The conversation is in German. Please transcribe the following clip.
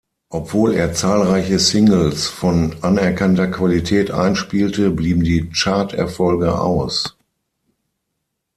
Obwohl er zahlreiche Singles von anerkannter Qualität einspielte, blieben die Chart-Erfolge aus.